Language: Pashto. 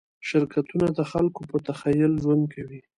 شرکتونه د خلکو په تخیل ژوند کوي.